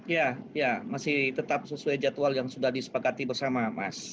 ya ya masih tetap sesuai jadwal yang sudah disepakati bersama mas